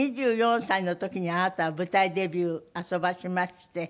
２４歳の時にあなたは舞台デビューあそばしまして。